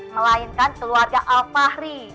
melainkan keluarga al fahri